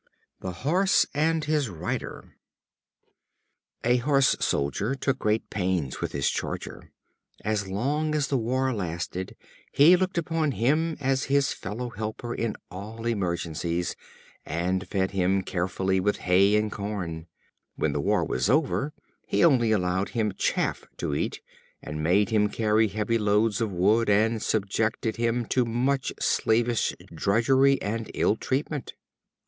The Horse and his Rider. A Horse soldier took great pains with his charger. As long as the war lasted, he looked upon him as his fellow helper in all emergencies, and fed him carefully with hay and corn. When the war was over, he only allowed him chaff to eat, and made him carry heavy loads of wood, and subjected him to much slavish drudgery and ill treatment.